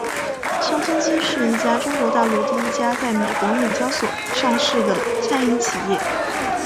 乡村基是一家中国大陆第一家在美国纽交所上市的餐饮企业。